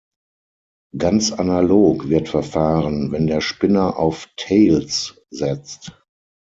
Ganz analog wird verfahren, wenn der Spinner auf "Tails" setzt.